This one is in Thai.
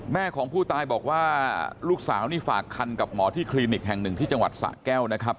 แม่ของผู้ตายบอกว่าลูกสาวนี่ฝากคันกับหมอที่คลินิกแห่งหนึ่งที่จังหวัดสะแก้วนะครับ